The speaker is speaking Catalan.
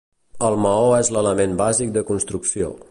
El maó és l'element bàsic de construcció.